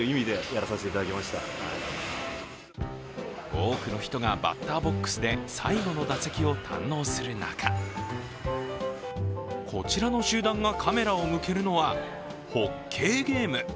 多くの人がバッターボックスで最後の打席を堪能する中、こちらの集団がカメラを向けるのはホッケーゲーム。